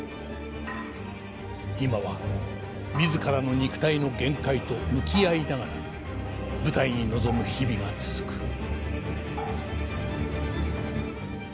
今は自らの肉体の限界と向き合いながら舞台に臨む日々が続く。